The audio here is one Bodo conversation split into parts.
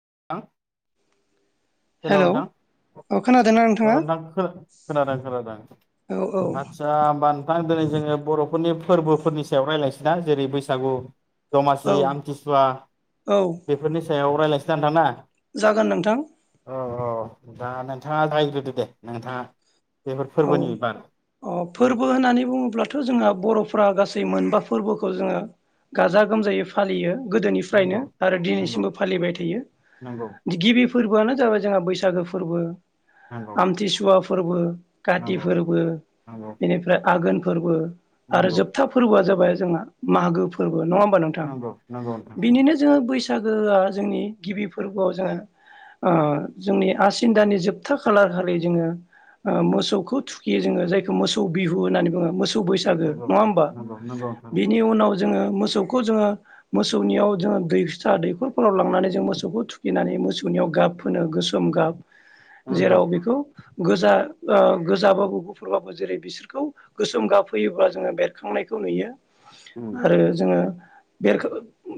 [unintelligible] हेल हेलौ नोंथां औ खोनादोंना नोंथाङा औ नोंथां खोनादों खोनादों औ औ आदसा होमबा नोंथां दोनै जोङो बरफोरनि फोरबोफोरनि सायाव रायलायसैना जेरै बैसागु औ दमासि आमथिसुवा औ बेफोरनि सायाव रायलायसै दा नोंथां ना जागोन नोंथां अ औ दा नोंथाङा जागायग्रोदो दे नोंथाङा। बेफोर औ फोरबोनि बारै अ उम फोरबो होननानै बुङोब्लाथ जोंहा बरफ्रा गासै मोनबा फोरबोखौ जोङो गाजा गोमजायै फालियो गोदोनिफ्रायनो नंगौ आरो नंगौ दिनैसिमबो फालिबाय थायो नंगौ गिबि फोरबोआनो जाबाय जोंहा बैसागो फोरबो नंगौ आम्थिसुवा फोरबो। खाथि नंगौ फोरबो नंगौ बिनिफ्राय आघोन फोरबो आरो नंगौ जोबथा फोरबोआ जाबाय जोंहा मागो फोरबो नङा होमबा नोंथां नंगौ नंगौ नोंथां बिनिनो जोङो बैस बैसागोआ जोंनि गिबि फोरबोआव जोङो ओ जोंनि आसिन दान्नि जोबथा खालार खालि जोङो ओ मो मोसौखौ थुखियो जोङो जायखौ मोसौ बिहु होननानै बुङो मोसौ बैसागो नंगौ नङा होमबा नंगौ नंगौ नोंथां बिनि उनाव जों जोङो मोसौखौ जोङो मोसौनियाव जोङो दै फिसा दैखरफोराव लांनानै जों मोसौखौ थुखिनानै मोसौनियाव गाब फोनो गोसोम गाब नंगौ जेराव बेखौ गोजा गोजाबाबो गुफुरबाबो जेरै बिसोरखौ गोसोम गाबहोयोब्ला जोङो बेरखांनायखौ नुयो। आरो जोङो बेर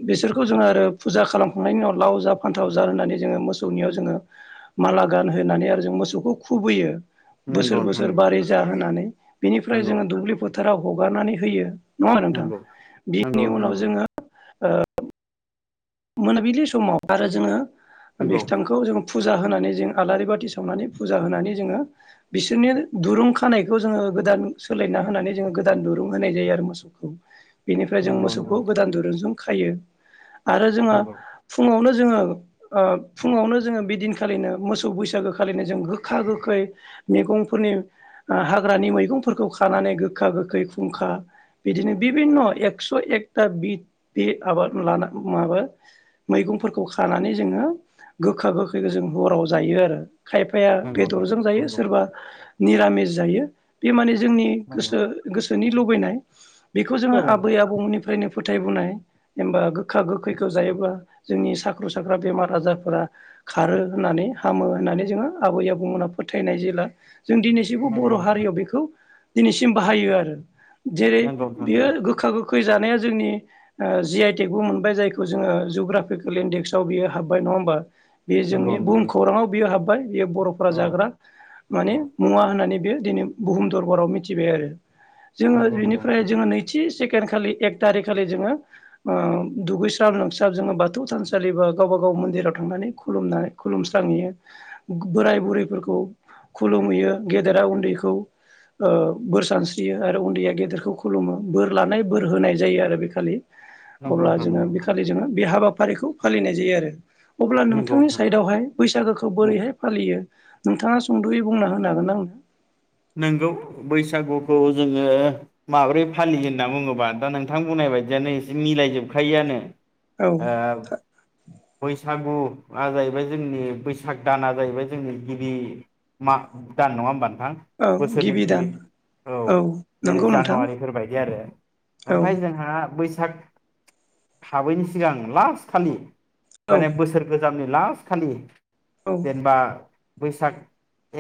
बिसोरखौ जोङो आरो फुजा खालामखांनायनि उनाव लाव जा फान्थाव जा होननानै जोङो मोसौनियाव जोङो माला गानहोनानै आरो जों मोसौखौ खुबैयो बोसोर नंगौ नंगौ नोंथां बोसोर नंगौ बारि जा होननानै बिनिफ्राय नंगौ जोङो दुब्लि फोथोराव हगारनानै होयो नङा नोंथां नंगौ बिनि नंगौ नोंथां उनाव नंगौ जोङो ओ मोनाबिलि समाव आरो जोङो नंगौ बिथांखौ जों फुजा होनानै जों आलारि बाथि सावनानै फुजा होनानै जोङो बिसोरनि दुरुं खानायखौ जोङो गोदान सोलायना होनानै जोङो गोदान दुरुं होनाय जायो आरो मोसौखौ। बेनिफ्राय जों नंगौ नंगौ मोसौखौ नोंथां गोदान दुरुनजों खायो। आरो जोङो नंगौ फुङावनो जोङो ओ फुङावनो जोङो बिदिनखालिनो मोसौ बैसागो खालिनो जों गोखा गोखै मैगंफोरनि ओ हाग्रानि मैगंफोरखौ खानानै गोखा गोखै खुंखा बिदिनो बिभिन्न' एकस' एकथा बिट बे माबाद लाना माबा मैगंफोरखौ खानानै जोङो गोखा गोखैखौ जों हराव जायो आरो। खायफाया नंगौ नोंथां बेदरजों जायो नंगौ सोरबा निरामिस जायो। बे मानि जोंनि नंगौ गोसो गोसोनि लुबैनाय। बेखौ जोङो औ आबै आबौमोननिफ्रायनो फोथायबोननाय एबा गोखा गोखैखौ जायोब्ला जोंनि साख्र' साख्रा बेमार आजारफोरा खारो होननानै हामो होननानै जोङो आबै आबौमोनहा फोथायनाय जेला जों दिनैसिमबो नंगौ बर' नोंथां हारियाव बेखौ दिनैसिम बाहायो आरो। जेरै नंगौ नोंथां नंगौ बियो गोखा गो खै जानाया जोंनि ओ जि आइ टेक बो मोनबाय जायखौ जोङो जुग्राफिकेल इन्डेक्सआव बियो हाबबाय नङा होमबा? बे नंगौ जोंनि बुहुम नोंथां खौराङाव बियो हाब्बाय बेयो बर'फोरा औ जाग्रा माने औ मुवा होननानै बेयो दिनै बुहुम दरबाराव मिथिबाय आरो। जोङो नंगौ नंगौ बेनिफ्राय नोंथां जोङो नैथि से खेन खालि एक थारिख खालि जोङो ओ दुगैस्राब लोमस्राब जोङो बाथौ थानसालि बा गावबा गाव मन्दिराव थांनानै खुलुमनाय खुलुमस्रांहैयो बोराय बुरैफोरखौ खुलुमहैयो गेदेरा उन्दैखौ ओ बोर सानस्रियो आरो उन्दैया गेदेरखौ खुलुमो बोर लानाय बोर होनाय जायो आरो बे खालि। नंगौ अब्ला नोंथां जोङो नंगौ बेखालि जोङो बे हाबा फारिखौ फालिनाय जायो आरो। अब्ला नंगौ नोंथांनि नोंथां साइडआवहाय बैसागोखौ उम बोरैहाय फालियो नोंथाङा सुंद'यै बुंना होनो हागोन आंनो? नोंगौ बैसागुखौ जोङो माबोरै फालियो होनना बुङोबा दा नोंथां बुंनाय बायदियानो इसे मिलायजोबखायोआनो। औ ओ बैसागु आ जाहैबाय जोंनि बैसाग दाना जाहैबाय जोंनि गिबि माग दान नङा होमबा नोंथां? औ बोसोरनि दान गिबि औ जेरै नंगौ नोंथां जानुवारिफोरबायदि आरो औ ओमफ्राय जोंहा बै साख हाबैनि सिगां लास्ट खालि औ माने बोसोर गोजामनि लास्ट खालि। औ जेनेबा बैसाग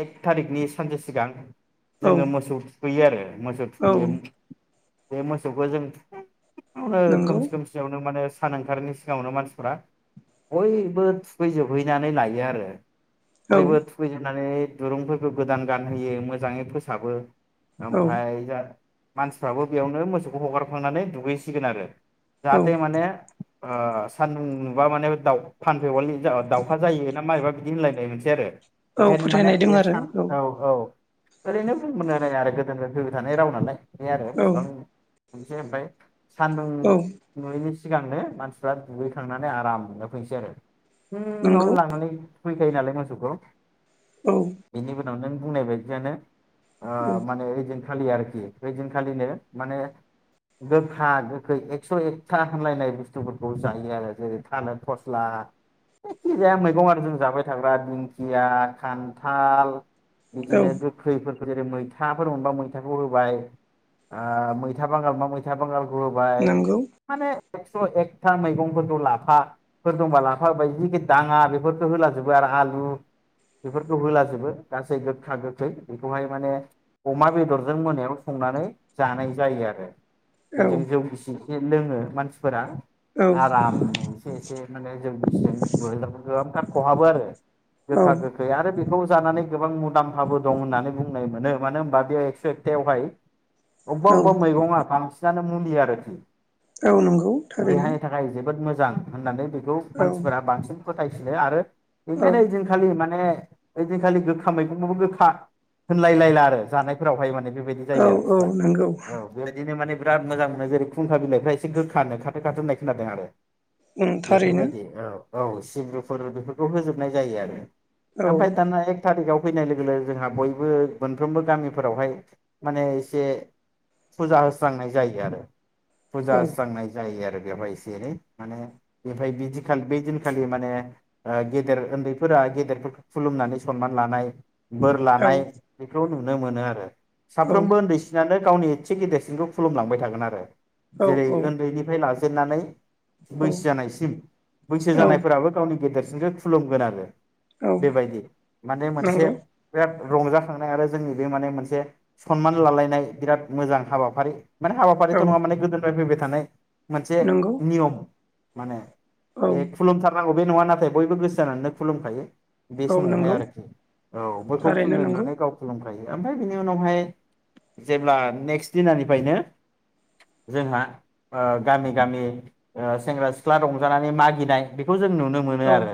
एक थारिकनि सानसे सिगां औ जोङो मोसौ थुखैयो आरो। मोसौ औ थुखैगोन बे मोसौखौ जों फुङावनो नंगौ खोमसि खोमसियावनो माने सान ओंखारनि सिगाङावनो मानसिफ्रा बयबो थुखैजोबहैनानै लायो आरो। औ बयबो थुखैजोबनानै दुरुंफोरखौ गोदान गानहोयो मोजां मोजाङै फोसाबो। औ ओमफ्राय [unintelligible] मानसिफ्राबो बेयावनो मोसौखौ हगारखांनानै दुगैसिगोन आरो। औ जाहाथे माने। सान्दुं नुबा माने दाउखा दावखा जायोना मा [unintelligible] बिदि होनलायनाय मोनसे आरो। औ ओंखायनो माने फोथायनाय दं बे आरो सान औ औ। ओरैनो बुंबोलायनाय होननाय आरो गोदोनो फैबाय थानाय राव होनालाय बे आरो औ बेसेबां। [inaudible] सान्दुं औ नुयैनि सिं सिगांनो मानसिफ्रा दुगैखांनानै आरामनो फैनोसै आरो। नंगौ फुंआवनो लांनानै [unintelligible] नालाय मोसौखौ। औ। बेनि नों बुंनाय बायदियानो। औ ओ माने [unintelligible] खालि आरोखि इदिन खालिनो माने गोखा गोखै एकस' एकथा होनलायनाय बस्थुफोरखौ जायो आरो जेरै थालिर फस्ला जायखि जाया मैगं आरो जों जाबाय थाग्रा दिंखिया खान्थाल। औ बिदिनो गो खैफोरखौ जेरै मैथाफोर मोनबा मैथाखौ होबाय मैथा बांगाल मोनबा मैथा बांगाल नंगौ [unintelligible] माने एकस' एकथा मैगंफोरखौ लाफाफोर दंबा लाफा होबाय [unintelligible] दाङा बेफोरखौ होलाजोबो आरो आलु बेफोरखौ होलाजोबो गासै गोखा गोखै बेखौहाय माने अमा बेदरजों मोनायाव संनानै जानाय जायो आरो औ बेजों जौ गिसि लोङो मानसिफोरा औ आरामनो एसे एसे माने जों बिसजों [unintelligible] गोबांथार खहाबो आरो गोखा औ गोखै आरो बेखौ जानानै गोबां मुदामफाबो होननानै बुंनाय मोनो मानो होनबा बेयाव एकस' एकथायावहाय अबेबा अबेबा मैगङा बांसिनानो मुलि आरोखि औ नंगौ थारैनो। जां होननानै बे खौ औ मानसिफोरा बांसिन फोथायसिनो आरो औ ओंखायनो ओइदिनखालि माने ओइदिनखालि गोखा मैगंखौबो गोखा होनलायलायला आरो जानायफोरावहाय माने बेबायदि औ जायो आरो औ बुस्थुवा। नंगौ बेबायदिनो माने बिराद मोजां मोनोे जेरै खुंखा बिलाइफ्रा एसे गोखानो खाथो खाथो होननाय खोनादों आरो उम थारैनो बेफोरबायदि औ औ सिब्रुफोर बेफोरखौ होजोबनाय जायो आरो औ ओमफाय दाना एक थारिखाव फैनाय लोगो लोगो जोंहा बयबो मोनफ्रोमबो गामिफोरावहाय माने एसे फुजा होस्रांनाय जायो आरो फुजा औ होस्रांनाय जायो आरो बेवहाय एसे एनै माने बे बायदि दिन खालि बे दिनखालि माने ओ गेदेर उन्दैफोरा गेदेरफोरखौ खुलुमनानै सनमान लानाय बोर ला औ नाय बेखौ नुनो मोनो आरो औ साफ्रोमबो ओन्दैसिनानो गावनि इसे गिदेरसिनखौ खुलुमलांबाय थागोन आरो जेरै औ ओन्दैनिफ्राय लाजोब नानै बैसो जानायसिम बैसो औ जानायफोराबो गावनि गेदेर सिनखौ खुलुमगोन आरो औ बेबायदि माने मोनसे नंगौ बिराद रंजाखांनाय आरो जोंनि बे माने मोनसे सन्मान लालायनाय बिराद मोजां हाबाफारि माने हाबाफारिथ औ नङा मान गोदोफ्राय फैबाय थानाय थानाय मोनसे नंगौ नियम माने औ बे खुलुम थारनांगौ बे नङा नाथाय बयबो गोसो जानानैनो खुलुम खायो बे औ समावहाय नंगौ आरोखि औ बयखौबो थारैनो खुलुमनाय नंगौ नुनानै गाव खुलुमखायो ओमफाय बिनि उनावहाय जेब्ला नेकस दिनानिफ्रायनो जोंहा ओ गामि गामि ओ सेंग्रा सिख्ला रंजानानै मागिनाइ बेखौ जों नुनो मोनो औ आरो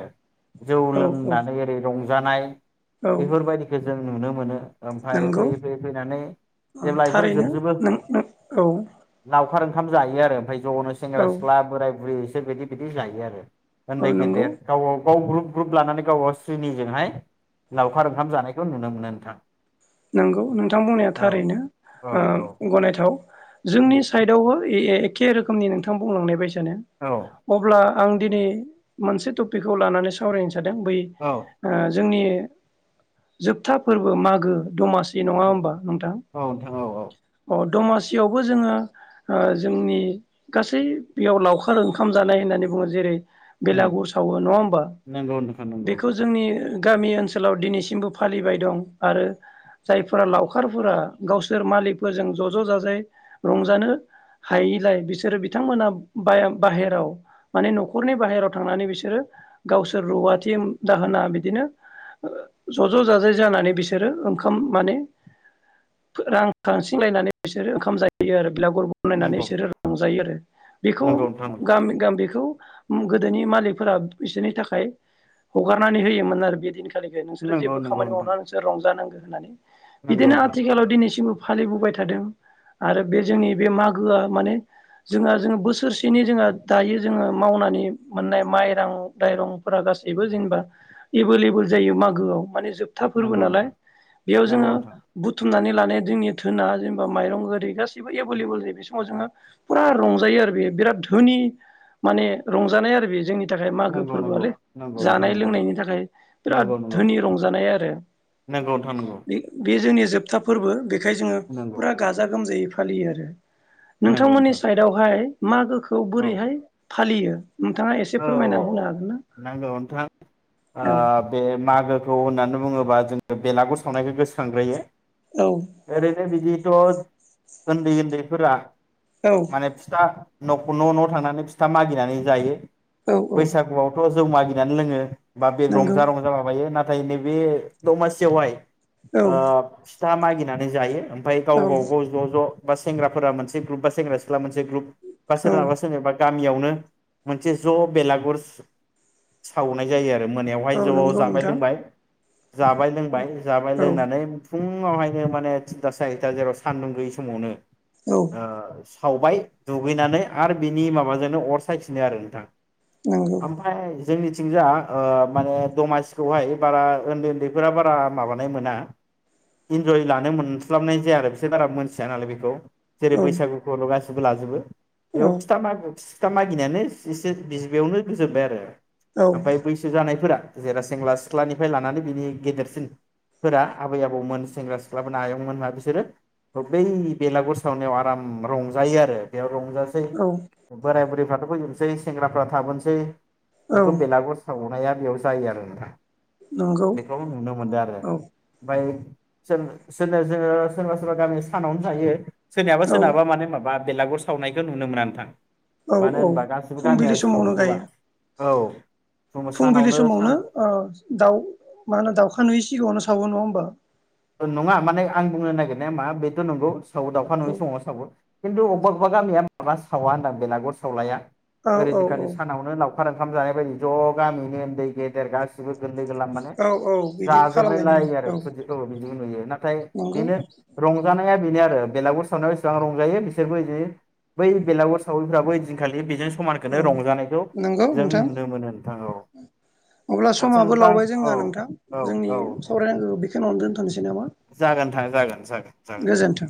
जौ औ औ लोंनानै ओरै रंजा जानाय औ बेफोरबायदि जों नुनो मोनो। ओमफाय नंगौ फैयै फैयै फैनानै जेब्ला इफोर थारैनो जोबजोबो नों नों औ लावखार ओं खाम जायो आरो। [unintelligible] जनो औ सेंग्रा सिख्ला बोराय बुरि [unintelligible] बिदि जायो आरो। औ ओनदै नंगौ गेदेर [unintelligible] [unintelligible] लानानै [unintelligible] लावखार ओंखाम जानाय [unintelligible] नुनो मोनो नोंथां। नोंगौ नोंथां बुंनाया औ थारैनो औ औ ओ गनायथाव उम जोंनि सायदावबो [unintelligible] एखे रोख खोमनि नोंथां बुंलांनाय बायस औ [unintelligible] अब्ला आं दिनै मोनसे टपिकखौ लानानै [unintelligible] जादों बै औ ओ जोंनि जोबथा फोरबो मागो दमासि [unintelligible] नङा औ ओमबा नोंथां नोंथां औ औ अ दमासियावबो जोङो ओ जोंनि गासै बेयाव लावखार ओंखाम जानाय होननानै बुङो जेरै उम बेलागुर सावो नङा ओमबा नंगौ नोंथां नंगौ बेखौ जोंनि गामि ओनसोलाव दिनैसिमबो फालिबाय दं आरो जायफोरा लावखारफोरा गावसोर मालिकफोरजों ज ज जाजाय रंजानो हायिलाय बिसोरो बिथांमोना बाया बाहेराव माने नखरनि बाहेराव थांनानै बिसोरो गावसोर रुवाथिम दाहोना बिदिनो ओ ज ज जाजाय जानानै बिसोरो ओम [unintelligible] माने फो रां खांथिंलायनानै बिसोरो ओंखाम जायो आरो। बिलागुर बनायनानै नंगौ इसोरो रंजायो आरो बिखौ नंगौ नोंथां गामि गामिखौ ओम गोदोनि मालिकफोरा बिसोरनि थाखाय हगारनानै होयोमोन आरो बिदिनो। [unintelligible] नोंसोरो जेबो नंगौ नंगौ खामानि मावना नोंसोर रंजा नां होननानै नंगौ बिदिनो नोंथां आथिखालाव दिनैसिम फालिबोबाय थादों आरो बे जोंनि बे मागोआ माने जोंहा जों बोसोरसेनि जोंहा दायो जोङो मावनानै मोननाय माइरां टाइरंफोरा गासैबो जेनबा एभेलेबेल जायो मागोआव माने जोब था फोरबो नंगौ नालाय। नोंथां बेयाव नंगौ जोङो नोंथां नंगौ नोंथां बुथुमनानै ला नाय [unintelligible] धोना जेनबा माइरं ओरि गासिबो एभेलेबल जायो बे समाव जोङो पुरा रंजायो आरो बे बिराद धोनि माने रंजानाय आरो बे जोंनि थाखाय मागो नंगौ नंगौ फोरबोआलै नंगौ नोंथां जानाय नंगौ नंगौ लोंनायनि थाखाय बिराद नंगौ नंगौ धोनि रंजानाय आरो। नंगौ नोंथां नंगौ बे बे जोंनि जोबथा फोरबो बे खाय जोङो नंगौ पुरा गाजा गोमजायै फालियो आरो नंगौ नोंथांमोननि नोंथां साइदआवहाय मागो खौ बोरैहाय फालियो नोंथाङा एसे औ फोरमायना औ होनो हागोन ना नंगौ नोंथां औ बे मागोखौ होननानै बुङोबा जोङो बेलागुर सावनायखौ गोसोखांग्रोयो ओरैनो बिदिथ उन्दै उन्दैफोरा औ माने फिथा नख न' न' थांनानै फिथा मागिनानै जायो औ औ बैसागुआवथ जौ मागिनानै लोङो बा बे नंगौ रंजा रंजा माबायो नाथाय नैबे दमासियावहाय औ ओ फिथा मागिनानै जायो ओमफाय गाव औ गाव गाव ज' ज' बा सेंग्राफोरा मोनसे ग्रुप बा सेंग्रा सिख्ला मोनसे ग्रुप बा औ सोरनाबा सोरनाबा गामियावनो मोन मोनसे ज' बेलागुर सावनाय जायो आरो, मोनायावहाय औ ज' नंगौ जाबाय नोंथां लोंबाय जाबाय लोंबाय जाबाय औ लोंनानै फुं फुङावहायनो माने थिनथा सारिथा जेराव सान्दुं गैयै समावनो औ ओ खावबाय दुगैनानै आरो बिनि माबाजोंनो अर सायफिनो आरो। दा नंगौ ओमफ्राय जोंनिथिंजा माने दमासिखौहाय बारा उन्दै उन्दैफोरा बारा माबानाय मोना इन्जय लानो मोनस्लाबनाय जाया आरो बिसोर बारा मोनथिया नालाय बेखौ जेरै औ बैसागुखौ लुगासिनो [unintelligible] बो लाजोबो एव औ फिथा मागो ता मागिनायानोस एसे बिसबेयावनो गोजोबबाय आरो औ ओमफ्राय बैसो जानायफोरा जेरा सेंग्रा सिख्लानिफ्राय लानानै बिनि गेदेरसिन फोरा आबै आबौमोन सेंग्रा सिख्लाफोर आयंमोना बिसोरो बै बेलागुर सावनायाव आराम रंजायो आरो बेयाव रं जासै औ बोराय बुरैफ्राथ' फै सै सेंग्राफ्रा थाबोनसै औ बेखौ बेलागर सावो नाया बेयाव जायो आरो नोंथां नंगौ बेखौ नुनो मोनदों आरो औ ओमफ्राय जों सोनो जोङो सोरबा सोरबा गामि सानावनो थायो सोरनियाबा औ सोरनाबा माने माबा बेलागुर सावनायखौ नुनो मोना नोंथां औ मानो औ होनबा गास फुंबिलि समावनो गायो जों फुंबिलि सानावनो सान समावनो ओ दाउ मा होनो दाउखा नुयै सिगाङावनो सावो नङा हो होमबा नङा माने आं बुंनो नागिरनाया मा बेथ' नंगौ सावो दावखा औ नङै समाव सावो खिन्थु अबेबा अबेबा गियाबा सावा होनदों बेलागुर सावलाया औ औ ओरैनोखालि सानावनो लाव खार ओंखाम जानाय बायदि ज' गामिनि उन्दै गेदेर गासिबो लोगो लांनानै औ औ बिदिबो जाजोबनाय खालामनाय नुयो लायो आरो खु औ बिदि नुयो नाथाय नंगौ बेनो रंजाना नाया बेनो आरो बेलागुर सावनायाव बेसेबां रंजायो बिसोरबो बिदि बै बेलागुर सावरिफ्राबो इदिनखालि बेजों समानखौनो औ रंजानायखौ नंगौ जों नोंथां नुनो मोनो नोंथां औ अब्ला आदसा समाबो नोंथां लावबाय औ जोङो नोंथां औ जोंनि औ सावरायनांगौ बेखौन दोनथनोसै नामा जागोन नोंथां जागोन जागोन जागोन नोंथां गोजोनथों